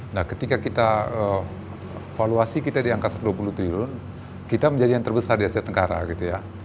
nah ketika kita valuasi kita di angka satu ratus dua puluh triliun kita menjadi yang terbesar di asia tenggara gitu ya